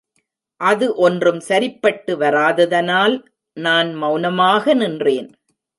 அது ஒன்றும் சரிப்பட்டு வராததனால் நான் மெளனமாக நின்றேன்.